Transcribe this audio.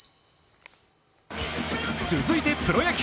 続いてプロ野球。